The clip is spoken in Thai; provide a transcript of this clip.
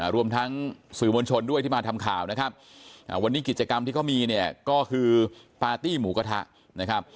รวมทั้งสื่อมวลชนด้วยที่มาทำข่าวนะครับวันนี้กิจกรรมที่เขามีเนี่ยก็คือปาร์ตี้หมูกระทะนะครับ